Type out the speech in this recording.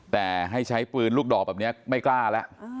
แต่ให้ใช้ปืนลูกดอกแบบนี้ไม่กล้าแล้ว